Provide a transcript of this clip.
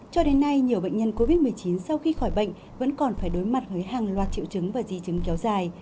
cho đến nay nhiều bệnh nhân covid một mươi chín sau khi khỏi bệnh vẫn còn phải đối mặt với hàng loạt triệu chứng và di chứng kéo dài